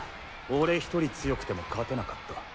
俺１人強くても勝てなかった。